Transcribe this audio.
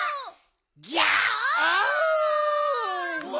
ギャオン！